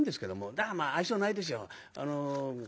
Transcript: だからまあ愛想ないですよ。